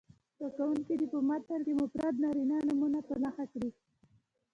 زده کوونکي دې په متن کې مفرد نارینه نومونه په نښه کړي.